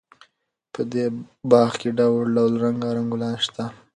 په دې باغ کې ډول ډول رنګارنګ ګلان شته.